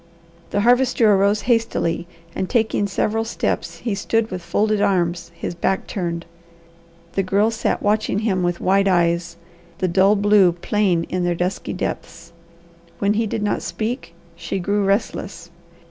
The Harvester arose hastily, and taking several steps, he stood with folded arms, his back turned. The Girl sat watching him with wide eyes, the dull blue plain in their dusky depths. When he did not speak, she grew restless.